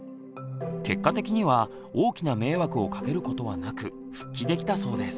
結果的には大きな迷惑をかけることはなく復帰できたそうです。